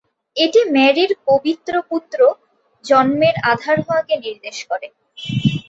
এটি মেরির পবিত্র পুত্র জন্মের আধার হওয়াকে নির্দেশ করে।